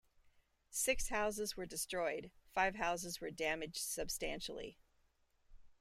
Six houses were destroyed; five houses were damaged substantially.